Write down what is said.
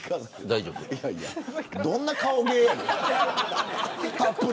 どんな顔芸やねん。